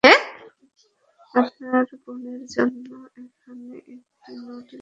আপনার বোনের জন্য এখানে একটি নোট লিখে রেখে যেতে পারেন।